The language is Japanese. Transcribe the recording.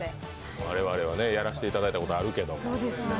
我々はやらせていただいたことあるけど。